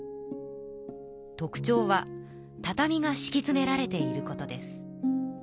特ちょうはたたみがしきつめられていることです。